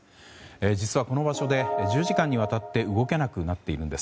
実はこの場所で１０時間にわたって動けなくなっているんです。